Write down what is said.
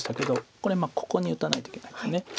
これここに打たないといけないんです。